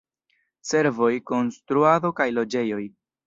Servoj, konstruado kaj loĝejoj.